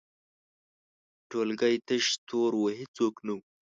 ټولګی تش تور و، هیڅوک نه وو.